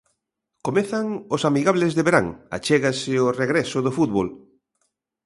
Comezan os amigables de verán, achégase o regreso do fútbol.